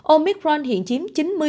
omicron hiện chiếm chín mươi